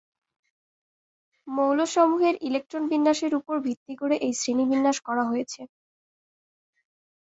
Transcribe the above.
মৌলসমূহের ইলেকট্রন বিন্যাসের উপর ভিত্তি করে এই শ্রেণী বিন্যাস করা হয়েছে।